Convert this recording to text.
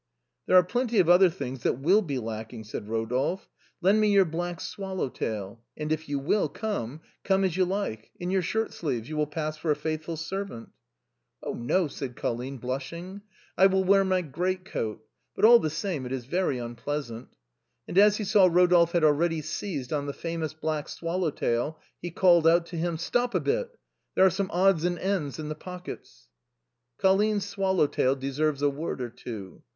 " There are plenty of other things that will be lacking," said Eodolphe. " Lend me your black swallow tail, and if you will come, come as you like; in your shirt sleeves, you will pass for a faithful servant." "Oh! no," said Colline, blushing; "I will wear my great coat. But all the same, it is very unpleasant." And 70 THE BOHEMIANS OF THE LATIN QUARTER. as he saw Rodolphe had already seized on the famous black swallow tail, he called out to him, " Stop a bit ; there are some odds and ends in the pockets." Colline's swallow tail deserves a word or two.